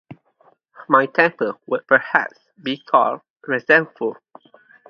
My temper would perhaps be called resentful.